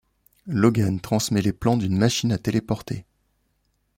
Logan transmet les plans d'une machine à téléporter.